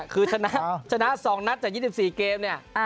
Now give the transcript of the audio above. คือชนะ๒นัทจาก๒๔เกม